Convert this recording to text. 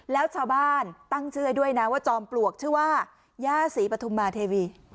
แล้วชาวบ้านตั้งชื่อด้วยนะว่าจอมปลวกชื่อว่าย่าศรีปฐุมมาเทวี